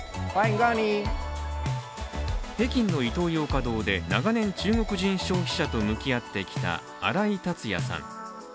北京のイトーヨーカドーで長年中国人消費者と向き合ってきた、荒井達也さん。